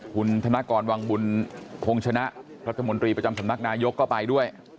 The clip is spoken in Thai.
คุณธนกรวังบุญคงชนะพระธรรมดีประจำสำนักนายกเข้าไปด้วย